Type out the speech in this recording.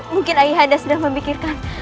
mungkin ayah anda sudah memikirkan